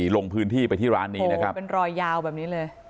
ลงพื้นที่ไปที่ร้านนี้นะครับเป็นรอยยาวแบบนี้เลย